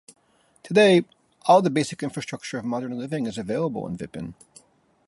Today, all the basic infrastructure of modern living is available in Vypin.